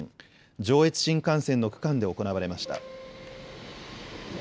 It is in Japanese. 上越新幹線の区間で行われました。